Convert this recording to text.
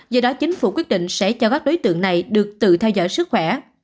do đó chính phủ quyết định sẽ cho các đối tượng này được tự theo dõi sức khỏe